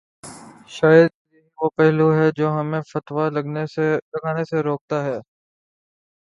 شاید یہی وہ پہلو ہے جو ہمیں فتوی لگانے سے روکتا ہے۔